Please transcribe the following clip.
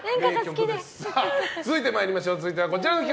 続いてはこちらの企画。